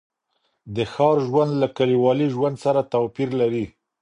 د ښار ژوند له کلیوالي ژوند سره توپیر لري.